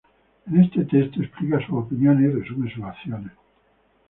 En este texto explica sus opiniones y resume su acciones.